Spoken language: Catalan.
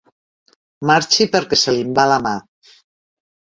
Marxi perquè se li'n va la mà.